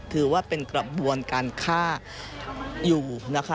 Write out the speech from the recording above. ถือว่าเป็นกระบวนการฆ่าอยู่นะคะ